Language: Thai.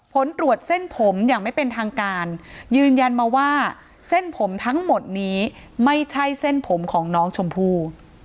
ผลตรวจเส้นผมอย่างไม่เป็นทางการยืนยันมาว่าเส้นผมทั้งหมดนี้ไม่ใช่เส้นผมของน้องชมพู่